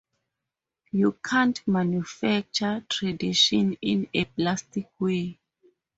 You can't manufacture tradition in a plastic way.